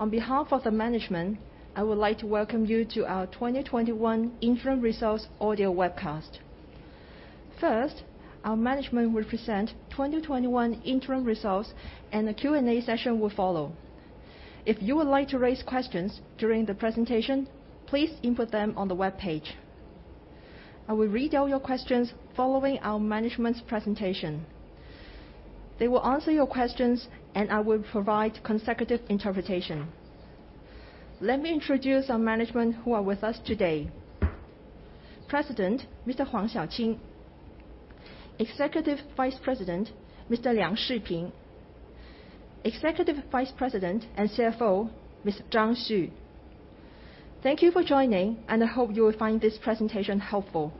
On behalf of the management, I would like to welcome you to our 2021 interim results audio webcast. First, our management will present 2021 interim results, and a Q&A session will follow. If you would like to raise questions during the presentation, please input them on the webpage. I will read out your questions following our management's presentation. They will answer your questions, and I will provide consecutive interpretation. Let me introduce our management who are with us today. President, Mr. Huang Xiaoqing. Executive Vice President, Mr. Liang Shiping. Executive Vice President and CFO, Ms. Zhang Xu. Thank you for joining, and I hope you will find this presentation helpful.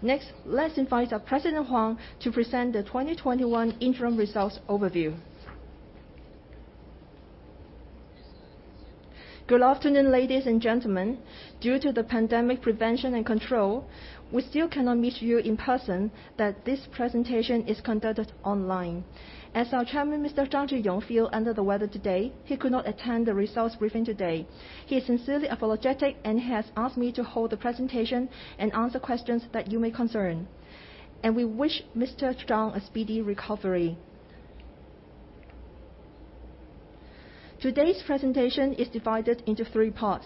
Next, let's invite our President Huang to present the 2021 interim results overview. Good afternoon, ladies and gentlemen. Due to the pandemic prevention and control, we still cannot meet you in person, that this presentation is conducted online. As our Chairman, Mr. Zhang Zhiyong, felt under the weather today, he could not attend the results briefing today. He is sincerely apologetic and has asked me to hold the presentation and answer questions that you may concern, and we wish Mr. Zhang a speedy recovery. Today's presentation is divided into three parts.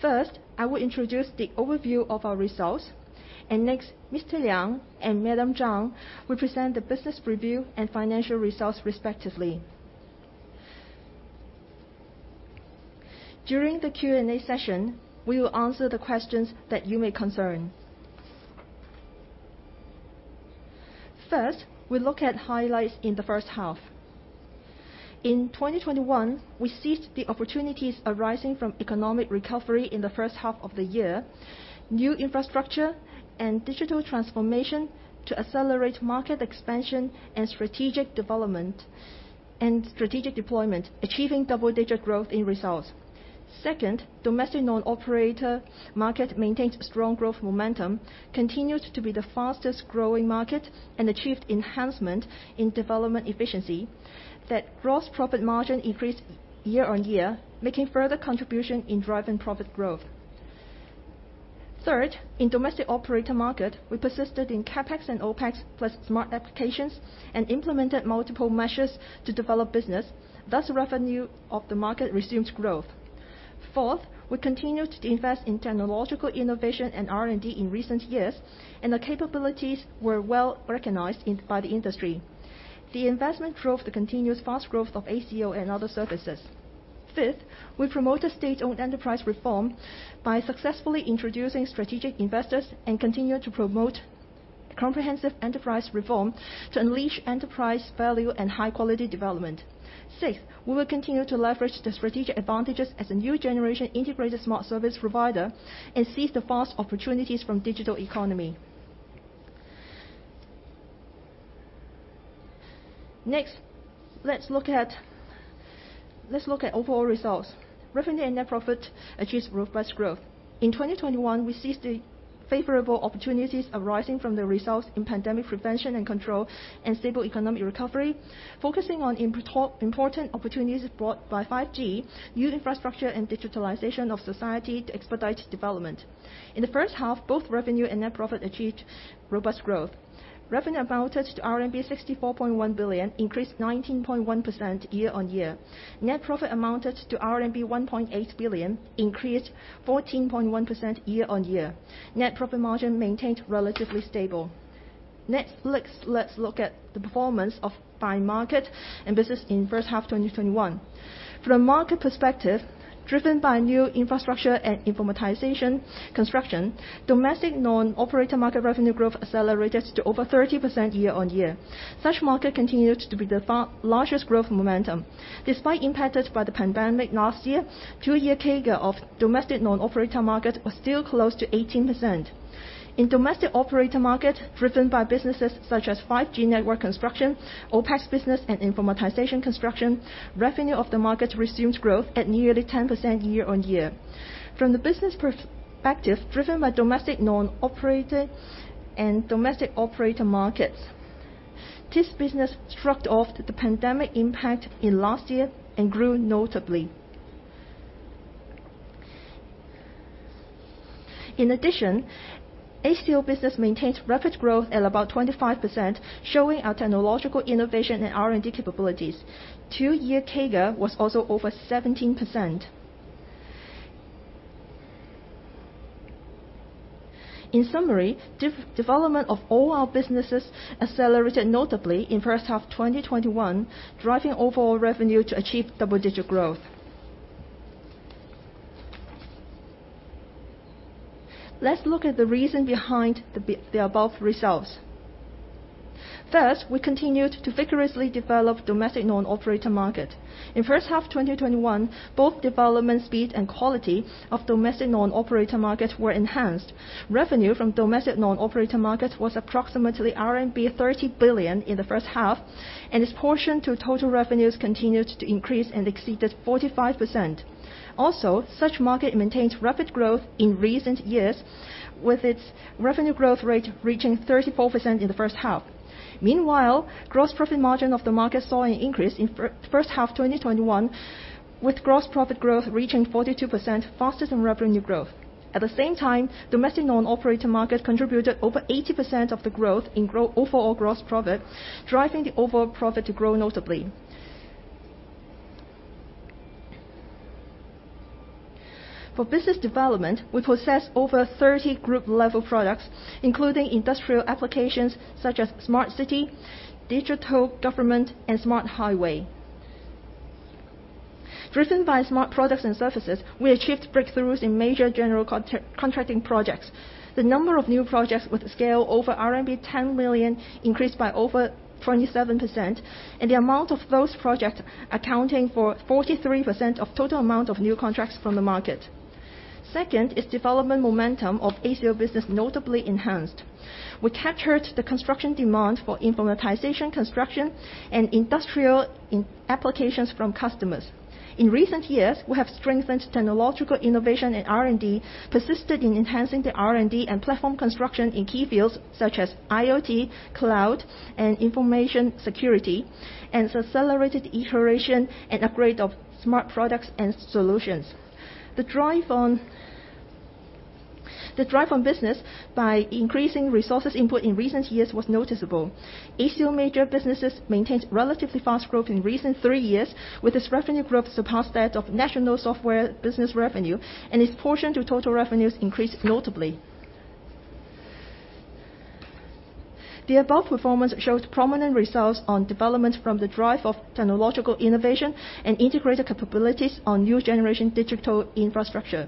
First, I will introduce the overview of our results. Next, Mr. Liang and Madam Zhang will present the business review and financial results respectively. During the Q&A session, we will answer the questions that you may concern. First, we look at highlights in the first half. In 2021, we seized the opportunities arising from economic recovery in the first half of the year, new infrastructure and digital transformation to accelerate market expansion and strategic deployment, achieving double-digit growth in results. Second, domestic non-operator market maintains strong growth momentum, continues to be the fastest-growing market, and achieved enhancement in development efficiency. Gross profit margin increased year on year, making further contribution in driving profit growth. Third, in domestic operator market, we persisted in CapEx and OpEx plus smart applications and implemented multiple measures to develop business. Revenue of the market resumes growth. Fourth, we continued to invest in technological innovation and R&D in recent years, and our capabilities were well recognized by the industry. The investment drove the continuous fast growth of ACO and other services. Fifth, we promote a state-owned enterprise reform by successfully introducing strategic investors and continue to promote comprehensive enterprise reform to unleash enterprise value and high-quality development. Six, we will continue to leverage the strategic advantages as a new generation integrated smart service provider and seize the fast opportunities from digital economy. Let's look at overall results. Revenue and net profit achieves robust growth. In 2021, we seized the favorable opportunities arising from the results in pandemic prevention and control and stable economic recovery. Focusing on important opportunities brought by 5G, new infrastructure, and digitalization of society to expedite development. In the first half, both revenue and net profit achieved robust growth. Revenue amounted to RMB 64.1 billion, increased 19.1% year-on-year. Net profit amounted to RMB 1.8 billion, increased 14.1% year-on-year. Net profit margin maintained relatively stable. Let's look at the performance of by market and business in first half 2021. From a market perspective, driven by new infrastructure and informatization construction, domestic non-operator market revenue growth accelerated to over 30% year-on-year. Such market continued to be the largest growth momentum. Despite impacted by the pandemic last year, two-year CAGR of domestic non-operator market was still close to 18%. In domestic operator market, driven by businesses such as 5G network construction, OpEx business, and informatization construction, revenue of the market resumed growth at nearly 10% year-on-year. From the business perspective, driven by domestic non-operator and domestic operator markets, this business shrugged off the pandemic impact in last year and grew notably. In addition, ACO business maintains rapid growth at about 25%, showing our technological innovation and R&D capabilities. Two-year CAGR was also over 17%. In summary, development of all our businesses accelerated notably in first half 2021, driving overall revenue to achieve double-digit growth. Let's look at the reason behind the above results. First, we continued to vigorously develop domestic non-operator market. In first half 2021, both development speed and quality of domestic non-operator market were enhanced. Revenue from domestic non-operator market was approximately RMB 30 billion in the first half, and its portion to total revenues continued to increase and exceeded 45%. Such market maintains rapid growth in recent years, with its revenue growth rate reaching 34% in the first half. Gross profit margin of the market saw an increase in first half 2021, with gross profit growth reaching 42%, faster than revenue growth. At the same time, domestic non-operator market contributed over 80% of the growth in overall gross profit, driving the overall profit to grow notably. For business development, we possess over 30 group-level products, including industrial applications such as smart city, digital government, and smart highway. Driven by smart products and services, we achieved breakthroughs in major general contracting projects. The number of new projects with scale over RMB 10 million increased by over 27%, and the amount of those projects accounting for 43% of total amount of new contracts from the market. Second is development momentum of ACO business notably enhanced. We captured the construction demand for informatization construction and industrial applications from customers. In recent years, we have strengthened technological innovation in R&D, persisted in enhancing the R&D and platform construction in key fields such as IoT, cloud, and information security, and accelerated iteration and upgrade of smart products and solutions. The drive on business by increasing resources input in recent years was noticeable. ACO major businesses maintained relatively fast growth in recent three years, with its revenue growth surpass that of national software business revenue, and its portion to total revenues increased notably. The above performance shows prominent results on development from the drive of technological innovation and integrated capabilities on new generation digital infrastructure.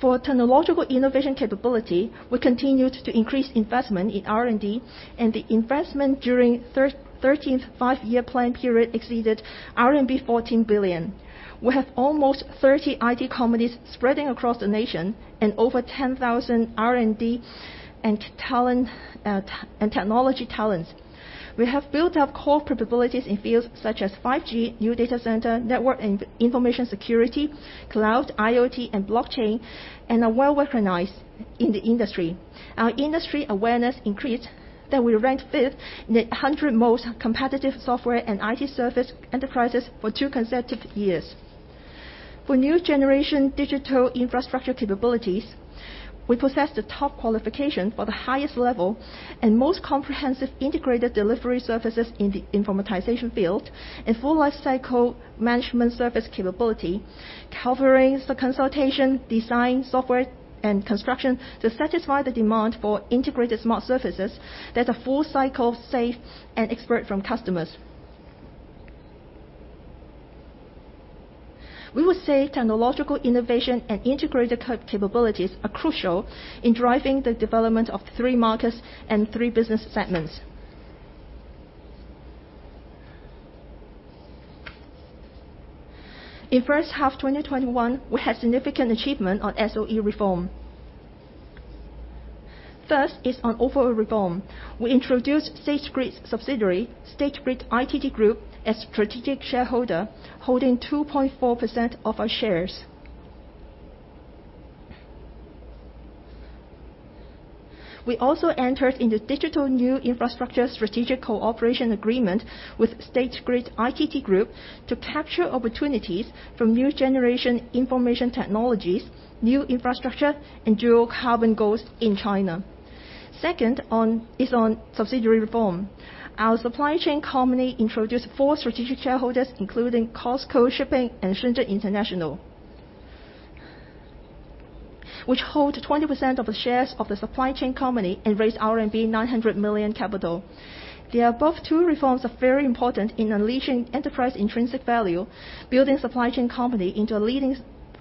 For technological innovation capability, we continued to increase investment in R&D, and the investment during 13th Five-Year Plan period exceeded RMB 14 billion. We have almost 30 IT companies spreading across the nation and over 10,000 R&D and technology talents. We have built up core capabilities in fields such as 5G, new data center, network and information security, cloud, IoT and blockchain, and are well-recognized in the industry. Our industry awareness increased that we ranked fifth in the 100 most competitive software and IT service enterprises for two consecutive years. For new generation digital infrastructure capabilities, we possess the top qualification for the highest level and most comprehensive integrated delivery services in the informatization field, a full life cycle management service capability covering the consultation, design, software, and construction to satisfy the demand for integrated smart services that are full cycle, safe, and expert from customers. We would say technological innovation and integrated capabilities are crucial in driving the development of three markets and three business segments. In first half 2021, we had significant achievement on SOE reform. First is on overall reform. We introduced State Grid subsidiary, State Grid ITG Group, as strategic shareholder, holding 2.4% of our shares. We also entered into digital new infrastructure strategic cooperation agreement with State Grid ITG Group to capture opportunities from new generation information technologies, new infrastructure, and dual carbon goals in China. Second is on subsidiary reform. Our supply chain company introduced 4 strategic shareholders, including COSCO Shipping and Shenzhen International, which hold 20% of the shares of the supply chain company and raised RMB 900 million capital. The above two reforms are very important in unleashing enterprise intrinsic value, building supply chain company into a leading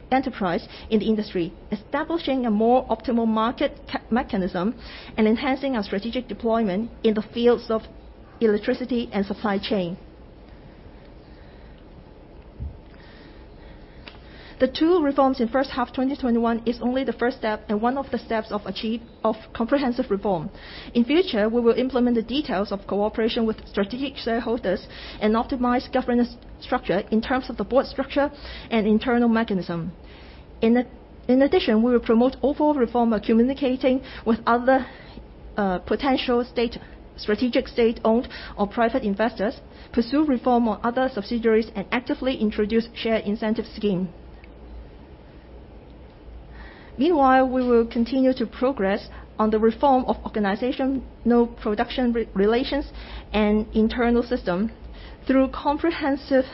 enterprise in the industry, establishing a more optimal market mechanism, and enhancing our strategic deployment in the fields of electricity and supply chain. The two reforms in first half 2021 is only the first step and one of the steps of comprehensive reform. In future, we will implement the details of cooperation with strategic shareholders and optimize governance structure in terms of the board structure and internal mechanism. In addition, we will promote overall reform by communicating with other potential strategic state-owned or private investors, pursue reform on other subsidiaries, and actively introduce share incentive scheme. Meanwhile, we will continue to progress on the reform of organizational production relations and internal system. Through comprehensive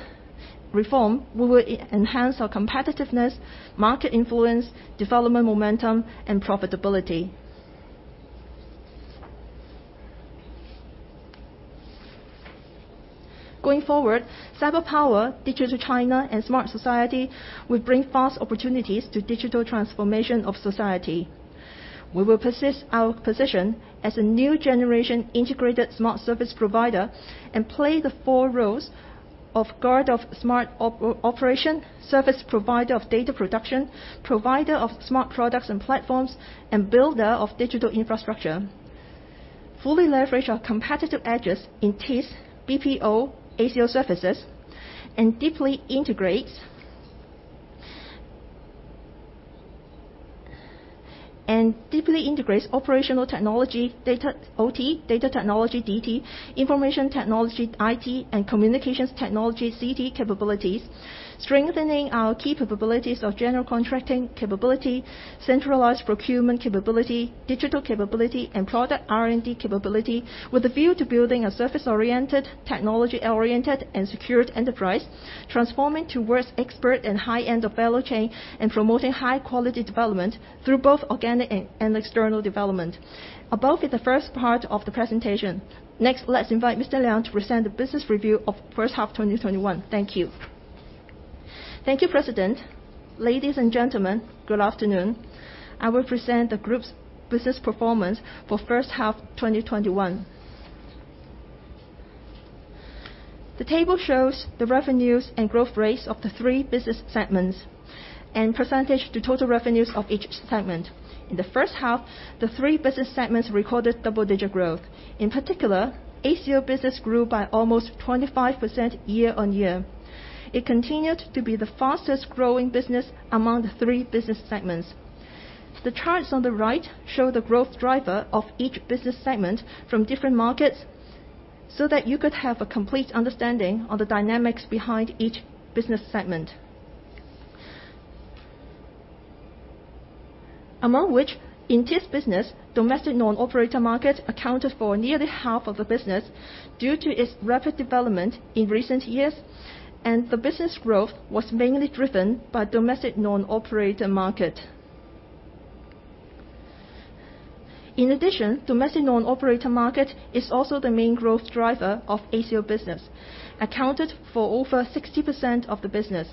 reform, we will enhance our competitiveness, market influence, development momentum, and profitability. Going forward, cyber power, Digital China, and smart society will bring fast opportunities to digital transformation of society. We will persist our position as a new generation integrated smart service provider and play the four roles of guard of smart operation, service provider of data production, provider of smart products and platforms, and builder of digital infrastructure, fully leverage our competitive edges in TIS, BPO, ACO services, and deeply integrates operational technology, OT, data technology, DT, information technology, IT, and communications technology, CT capabilities, strengthening our key capabilities of general contracting capability, centralized procurement capability, digital capability, and product R&D capability with a view to building a service-oriented, technology-oriented, and secured enterprise, transforming towards expert and high-end of value chain, and promoting high-quality development through both organic and external development. Above is the first part of the presentation. Next, let's invite Mr. Liang to present the business review of first half 2021. Thank you. Thank you, President. Ladies and gentlemen, good afternoon. I will present the group's business performance for first half 2021. The table shows the revenues and growth rates of the three business segments, and percentage to total revenues of each segment. In the first half, the three business segments recorded double-digit growth. In particular, ACO business grew by almost 25% year on year. It continued to be the fastest-growing business among the three business segments. The charts on the right show the growth driver of each business segment from different markets, so that you could have a complete understanding on the dynamics behind each business segment. Among which, in TIS business, domestic non-operator market accounted for nearly half of the business due to its rapid development in recent years, and the business growth was mainly driven by domestic non-operator market. Domestic non-operator market is also the main growth driver of ACO business, accounted for over 60% of the business.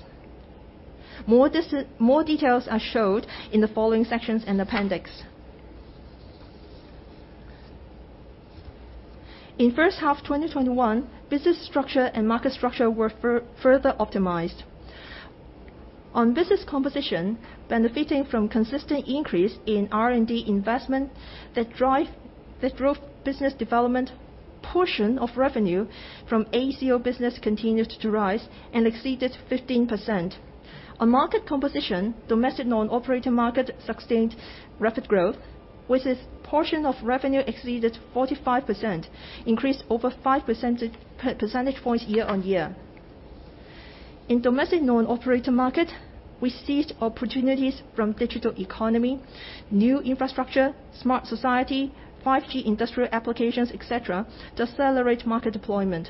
More details are shown in the following sections and appendix. In first half 2021, business structure and market structure were further optimized. On business composition, benefiting from consistent increase in R&D investment that drove business development, portion of revenue from ACO business continued to rise and exceeded 15%. On market composition, domestic non-operator market sustained rapid growth, with its portion of revenue exceeded 45%, increased over 5 percentage points year-on-year. In domestic non-operator market, we seized opportunities from digital economy, new infrastructure, smart society, 5G industrial applications, et cetera, to accelerate market deployment.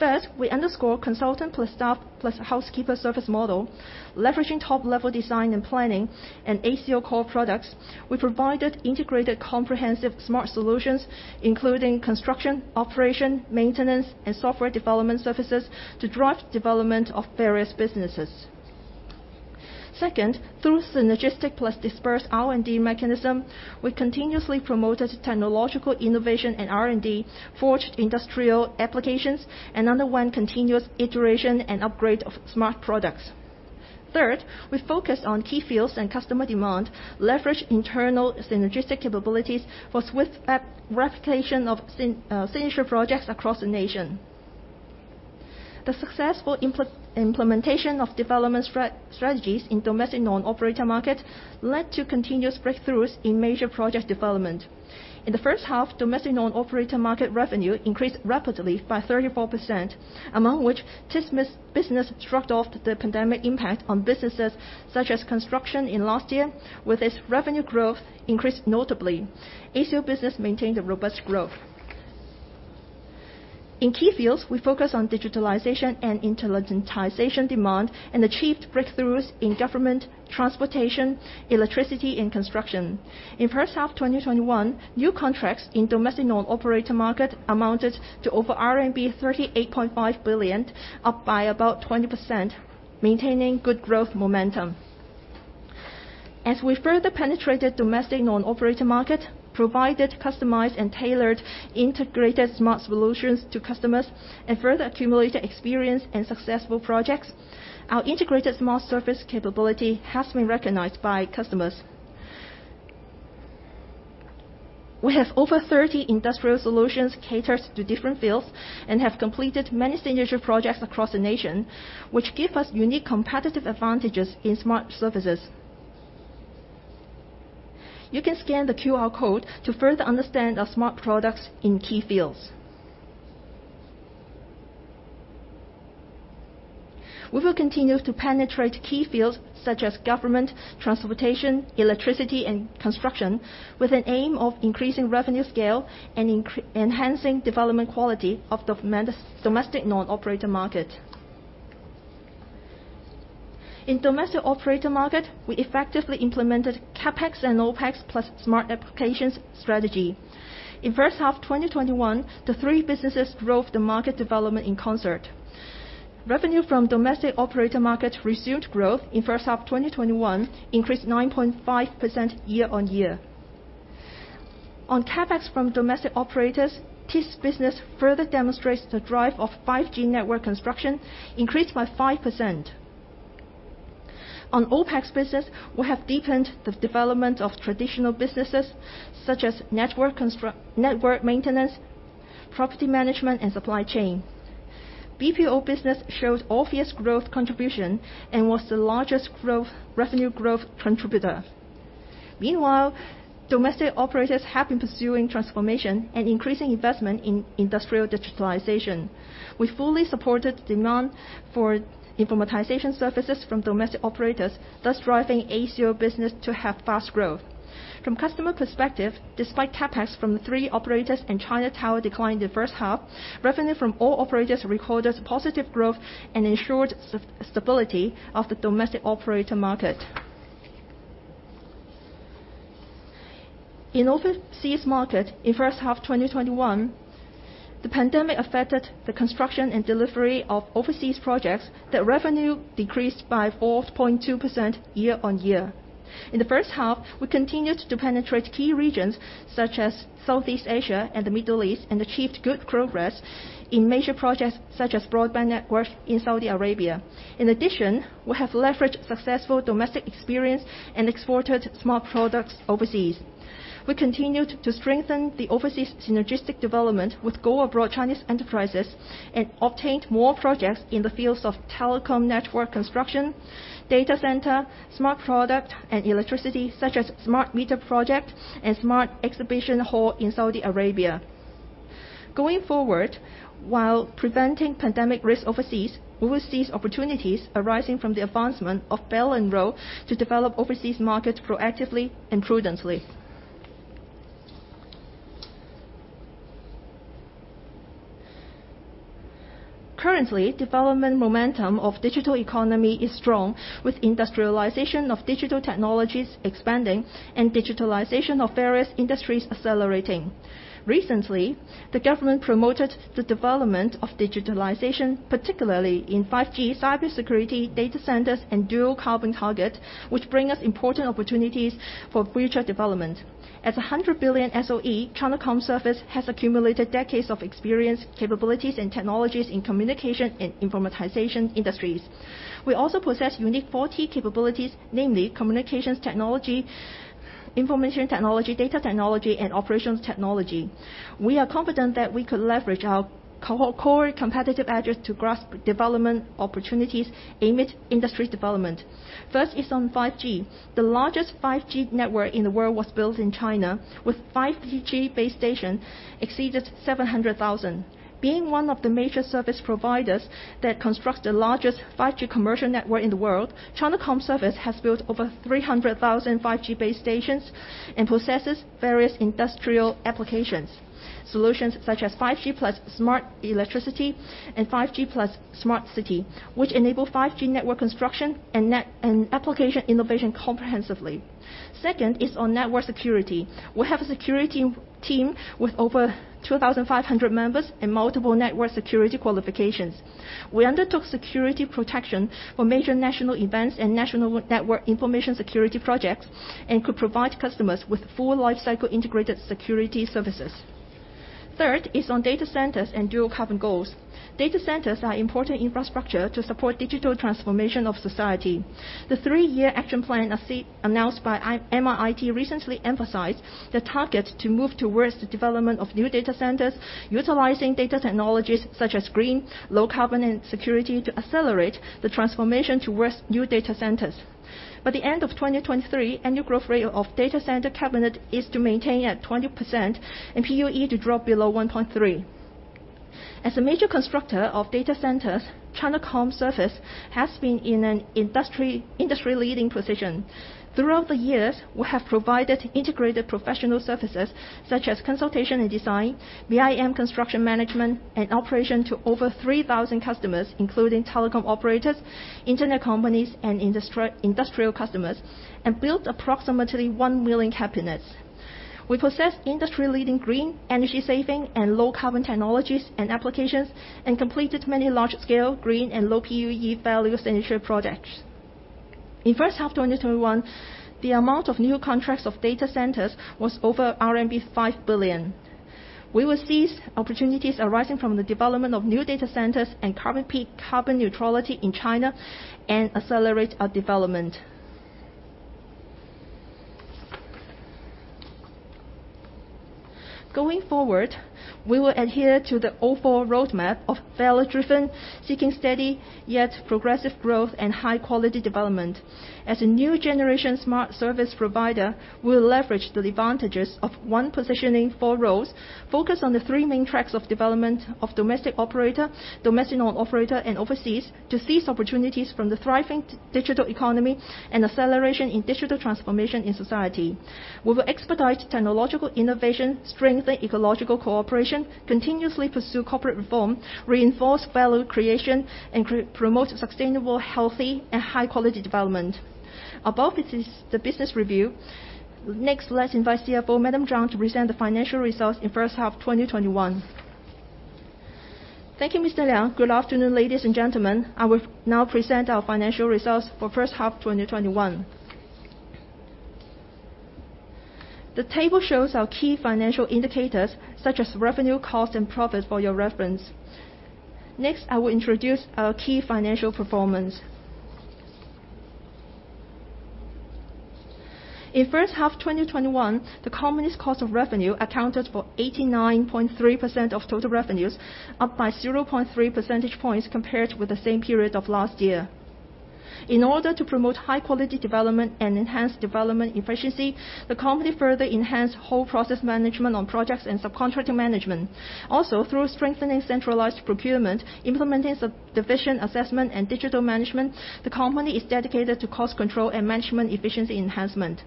First, we underscore consultant plus staff plus housekeeper service model, leveraging top-level design and planning and ACO core products. We provided integrated comprehensive smart solutions, including construction, operation, maintenance, and software development services to drive development of various businesses. Second, through synergistic plus dispersed R&D mechanism, we continuously promoted technological innovation and R&D, forged industrial applications, and underwent continuous iteration and upgrade of smart products. Third, we focused on key fields and customer demand, leveraged internal synergistic capabilities for swift replication of signature projects across the nation. The successful implementation of development strategies in domestic non-operator market led to continuous breakthroughs in major project development. In the first half, domestic non-operator market revenue increased rapidly by 34%, among which TIS business shrugged off the pandemic impact on businesses such as construction in last year with its revenue growth increased notably. ACO business maintained a robust growth. In key fields, we focused on digitalization and intelligentization demand and achieved breakthroughs in government, transportation, electricity, and construction. In first half 2021, new contracts in domestic non-operator market amounted to over RMB 38.5 billion, up by about 20%, maintaining good growth momentum. As we further penetrated domestic non-operator market, provided customized and tailored integrated smart solutions to customers, and further accumulated experience in successful projects, our integrated smart service capability has been recognized by customers. We have over 30 industrial solutions catered to different fields and have completed many signature projects across the nation, which give us unique competitive advantages in smart services. You can scan the QR code to further understand our smart products in key fields. We will continue to penetrate key fields such as government, transportation, electricity, and construction with an aim of increasing revenue scale and enhancing development quality of domestic non-operator market. In domestic operator market, we effectively implemented CapEx and OpEx plus smart applications strategy. In first half 2021, the three businesses drove the market development in concert. Revenue from domestic operator market resumed growth in first half 2021, increased 9.5% year-on-year. On CapEx from domestic operators, TIS business further demonstrates the drive of 5G network construction, increased by 5%. On OpEx business, we have deepened the development of traditional businesses such as network maintenance, property management, and supply chain. BPO business shows obvious growth contribution and was the largest revenue growth contributor. Meanwhile, domestic operators have been pursuing transformation and increasing investment in industrial digitalization. We fully supported demand for informatization services from domestic operators, thus driving ACO business to have fast growth. From customer perspective, despite CapEx from the three operators in China Tower declined in the first half, revenue from all operators recorded positive growth and ensured stability of the domestic operator market. In overseas market, in first half 2021, the pandemic affected the construction and delivery of overseas projects. The revenue decreased by 4.2% year-on-year. In the first half, we continued to penetrate key regions such as Southeast Asia and the Middle East, and achieved good progress in major projects such as broadband network in Saudi Arabia. In addition, we have leveraged successful domestic experience and exported smart products overseas. We continued to strengthen the overseas synergistic development with go-abroad Chinese enterprises, and obtained more projects in the fields of telecom network construction, data center, smart product, and electricity, such as smart meter project and smart exhibition hall in Saudi Arabia. Going forward, while preventing pandemic risk overseas, we will seize opportunities arising from the advancement of Belt and Road to develop overseas markets proactively and prudently. Currently, development momentum of digital economy is strong, with industrialization of digital technologies expanding and digitalization of various industries accelerating. Recently, the government promoted the development of digitalization, particularly in 5G, cybersecurity, data centers, and dual carbon target, which bring us important opportunities for future development. As 100 billion SOE, China Communications Services has accumulated decades of experience, capabilities, and technologies in communication and informatization industries. We also possess unique 4T capabilities, namely Communications Technology, Information Technology, Data Technology, and Operations Technology. We are confident that we could leverage our core competitive edges to grasp development opportunities amid industry development. First is on 5G. The largest 5G network in the world was built in China, with 5G base station exceeded 700,000. Being one of the major service providers that construct the largest 5G commercial network in the world, China Communications Services has built over 300,000 5G base stations and possesses various industrial applications, solutions such as 5G+ smart electricity and 5G+ smart city, which enable 5G network construction and application innovation comprehensively. Second is on network security. We have a security team with over 2,500 members and multiple network security qualifications. We undertook security protection for major national events and national network information security projects and could provide customers with full life cycle integrated security services. Third is on data centers and dual carbon goals. Data centers are important infrastructure to support digital transformation of society. The three-year action plan announced by MIIT recently emphasized the target to move towards the development of new data centers, utilizing data technologies such as green, low carbon, and security to accelerate the transformation towards new data centers. By the end of 2023, annual growth rate of data center cabinet is to maintain at 20%, and PUE to drop below 1.3. As a major constructor of data centers, China Communications Services has been in an industry-leading position. Throughout the years, we have provided integrated professional services such as consultation and design, BIM construction management, and operation to over 3,000 customers, including telecom operators, internet companies, and industrial customers, and built approximately one million cabinets. We possess industry-leading green, energy saving, and low carbon technologies and applications, and completed many large-scale green and low PUE value center projects. In first half 2021, the amount of new contracts of data centers was over RMB 5 billion. We will seize opportunities arising from the development of new data centers and carbon peak carbon neutrality in China and accelerate our development. Going forward, we will adhere to the O4 roadmap of value driven, seeking steady yet progressive growth and high quality development. As a new generation smart service provider, we'll leverage the advantages of one positioning, four roles, focus on the three main tracks of development of domestic operator, domestic non-operator, and overseas to seize opportunities from the thriving digital economy and acceleration in digital transformation in society. We will expedite technological innovation, strengthen ecological cooperation, continuously pursue corporate reform, reinforce value creation, and promote sustainable, healthy, and high quality development. Above is the business review. Next, let's invite CFO, Madam Zhang, to present the financial results in first half 2021. Thank you, Mr. Liang. Good afternoon, ladies and gentlemen. I will now present our financial results for first half 2021. The table shows our key financial indicators such as revenue, cost, and profit for your reference. I will introduce our key financial performance. In first half 2021, the company's cost of revenue accounted for 89.3% of total revenues, up by 0.3 percentage points compared with the same period of last year. In order to promote high quality development and enhance development efficiency, the company further enhanced whole process management on projects and subcontracting management. Through strengthening centralized procurement, implementing division assessment, and digital management, the company is dedicated to cost control and management efficiency enhancement.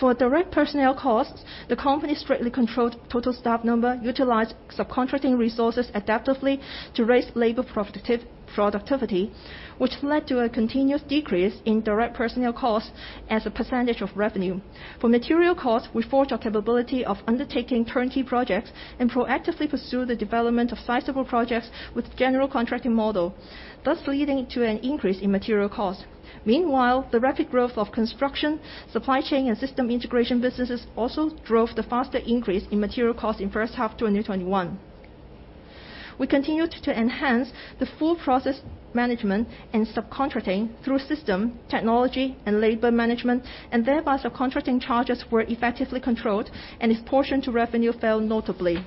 For direct personnel costs, the company strictly controlled total staff number, utilized subcontracting resources adaptively to raise labor productivity, which led to a continuous decrease in direct personnel costs as a percentage of revenue. For material costs, we forge our capability of undertaking turnkey projects and proactively pursue the development of sizable projects with general contracting model, thus leading to an increase in material cost. Meanwhile, the rapid growth of construction, supply chain, and system integration businesses also drove the faster increase in material cost in first half 2021. We continued to enhance the full process management and subcontracting through system, technology, and labor management, and thereby subcontracting charges were effectively controlled, and its portion to revenue fell notably.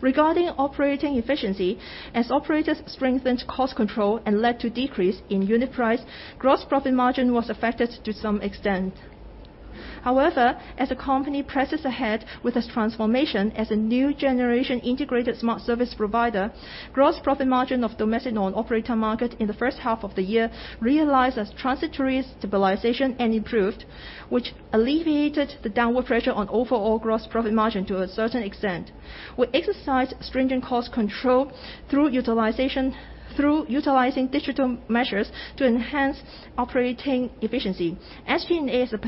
Regarding operating efficiency, as operators strengthened cost control and led to decrease in unit price, gross profit margin was affected to some extent. However, as the company presses ahead with its transformation as a new generation integrated smart service provider, gross profit margin of domestic non-operator market in the first half of the year realized as transitory stabilization and improved, which alleviated the downward pressure on overall gross profit margin to a certain extent. We exercised stringent cost control through utilizing digital measures to enhance operating efficiency. SG&A, as a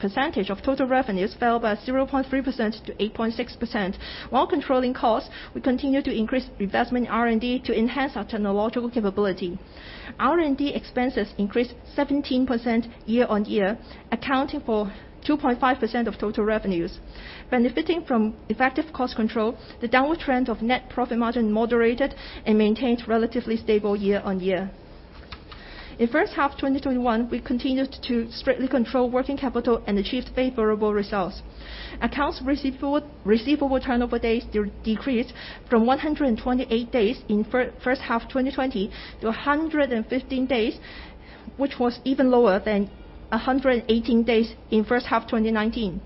percentage of total revenues, fell by 0.3%-8.6%. While controlling costs, we continue to increase investment in R&D to enhance our technological capability. R&D expenses increased 17% year on year, accounting for 2.5% of total revenues. Benefiting from effective cost control, the downward trend of net profit margin moderated and maintained relatively stable year on year. In first half 2021, we continued to strictly control working capital and achieved favorable results. Accounts receivable turnover days decreased from 128 days in first half 2020 to 115 days, which was even lower than 118 days in first half 2019.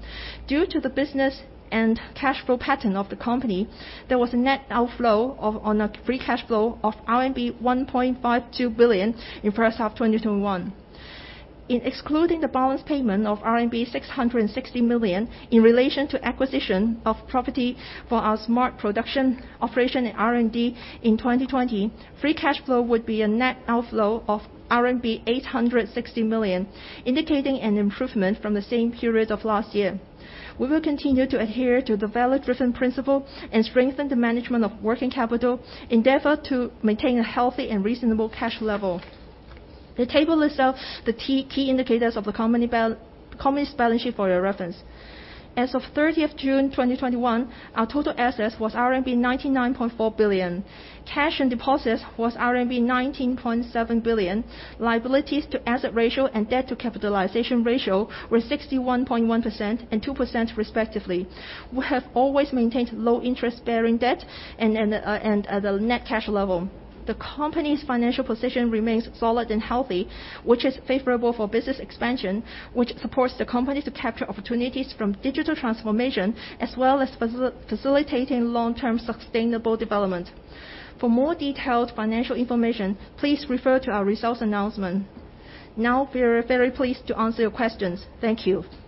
Due to the business and cash flow pattern of the company, there was a net outflow on a free cash flow of RMB 1.52 billion in first half 2021. In excluding the balance payment of RMB 660 million in relation to acquisition of property for our smart production operation in R&D in 2020, free cash flow would be a net outflow of RMB 860 million, indicating an improvement from the same period of last year. We will continue to adhere to the value-driven principle and strengthen the management of working capital, endeavor to maintain a healthy and reasonable cash level. The table lists out the key indicators of the company's balance sheet for your reference. As of 30th June 2021, our total assets was RMB 99.4 billion. Cash and deposits was RMB 19.7 billion. Liabilities to asset ratio and debt to capitalization ratio were 61.1% and 2%, respectively. We have always maintained low interest-bearing debt and the net cash level. The company's financial position remains solid and healthy, which is favorable for business expansion, which supports the company to capture opportunities from digital transformation, as well as facilitating long-term sustainable development. For more detailed financial information, please refer to our results announcement. Now, we're very pleased to answer your questions. Thank you.